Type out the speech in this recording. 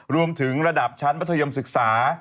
รวมถึงระดับชั้นมัธยมศึกษา